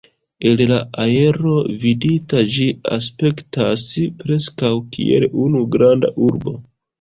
El la aero vidita ĝi aspektas preskaŭ kiel unu granda urbo.